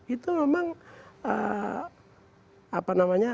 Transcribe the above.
itu memang apa namanya